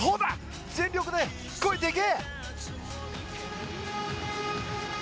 全力で超えていけ！